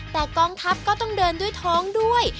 แต่กองทัพก็ต้องเดินด้วยท้องด้วย